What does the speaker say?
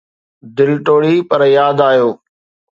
دل ٽوڙي، پر ياد آيو